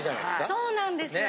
そうなんですよ。